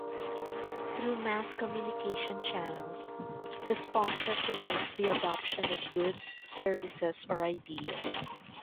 Through mass communication channels, the sponsor promotes the adoption of goods, services or ideas.